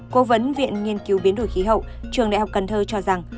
cố vấn viện nghiên cứu biến đổi khí hậu trường đại học cần thơ cho rằng